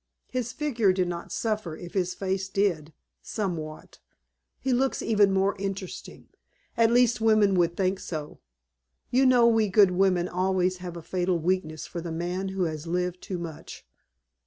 His figure did not suffer if his face did somewhat. He looks even more interesting at least women would think so. You know we good women always have a fatal weakness for the man who has lived too much."